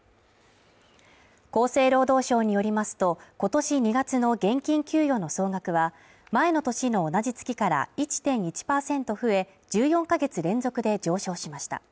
厚生労働省によりますと、今年２月の現金給与の総額は前の年の同じ月から１．１％増え、１４か月連続で上昇しました。